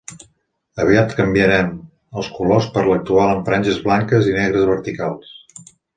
Aviat canviaren els colors per l'actual amb franges blanques i negres verticals.